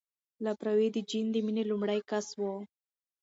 لفروی د جین د مینې لومړی کس و.